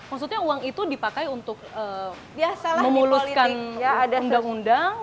maksudnya uang itu dipakai untuk memuluskan undang undang